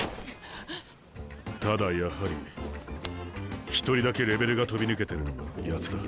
ただやはり一人だけレベルが飛び抜けてるのがやつだ。